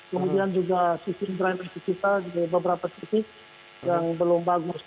kemudian juga sistem drain efisita beberapa titik yang belum bagus